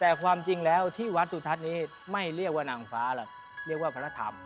แต่ความจริงแล้วที่วัดสุทัศน์นี้ไม่เรียกว่านางฟ้าหรอกเรียกว่าพระธรรม